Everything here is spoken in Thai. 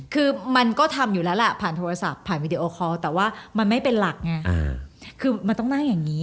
คือมันก็ทำอยู่แล้วแหละผ่านโทรศัพท์ผ่านวิดีโอคอลแต่ว่ามันไม่เป็นหลักไงคือมันต้องนั่งอย่างนี้